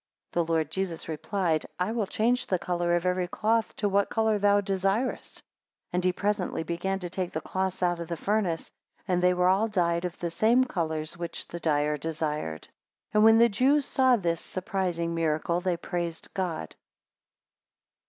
13 The Lord Jesus replied, I will change the colour of every cloth to what colour thou desirest. 14 And then he presently began to take the cloths out of the furnace, and they were all dyed of those same colours which the dyer desired. 15 And when the Jews saw this surprising miracle, they praised God.